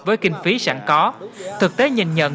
với kinh phí sẵn có thực tế nhìn nhận